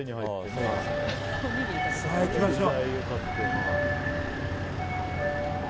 さあ、行きましょう。